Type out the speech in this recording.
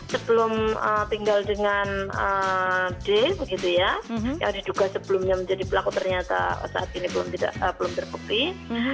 sebelum tinggal dengan d yang diduga sebelumnya menjadi pelaku ternyata saat ini belum terkutih